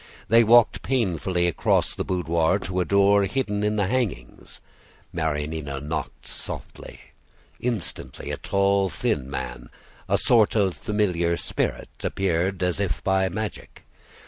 They walked painfully across the boudoir to a door hidden in the hangings. Marianina knocked softly. Instantly a tall, thin man, a sort of familiar spirit, appeared as if by magic.